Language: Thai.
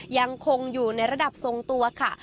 ยังคงอยู่ในระดับทรงตัวค่ะ